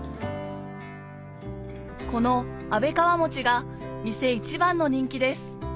このあべかわ餅が店一番の人気です